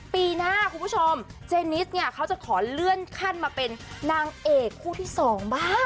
ปีหน้าคุณผู้ชมเจนิสเนี่ยเขาจะขอเลื่อนขั้นมาเป็นนางเอกคู่ที่๒บ้าง